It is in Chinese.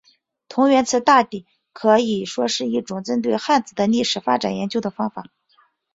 同源词大抵可以说是一种针对汉字的历史发展研究的方法。